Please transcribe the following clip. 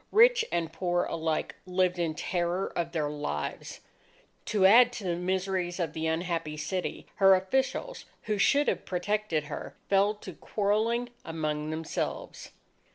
Rich and poor alike lived in terror of their lives. To add to the miseries of the unhappy city, her officials, who should have protected her, fell to quarrelling among themselves.